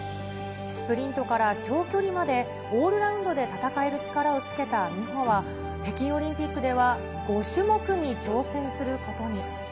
スプリントから長距離まで、オールラウンドで戦える力をつけた美帆は、北京オリンピックでは５種目に挑戦することに。